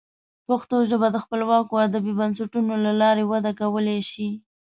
پښتو ژبه د خپلواکو ادبي بنسټونو له لارې وده کولی شي.